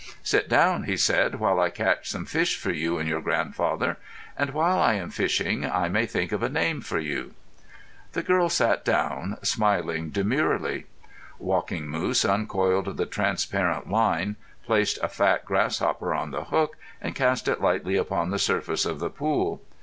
"Sit down," he said, "while I catch some fish for you and your grandfather; and while I am fishing I may think of a name for you." The girl sat down, smiling demurely. Walking Moose uncoiled the transparent line, placed a fat grasshopper on the hook, and cast it lightly upon the surface of the pool.